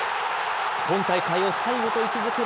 今大会を最後と位置づける